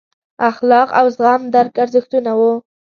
اخلاق او زغم ورک ارزښتونه وو.